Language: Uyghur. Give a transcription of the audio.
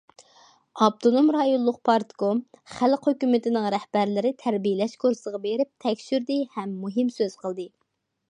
ئاپتونوم رايونلۇق پارتكوم، خەلق ھۆكۈمىتىنىڭ رەھبەرلىرى تەربىيەلەش كۇرسىغا بېرىپ تەكشۈردى ھەم مۇھىم سۆز قىلدى.